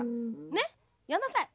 ねっ？やんなさい。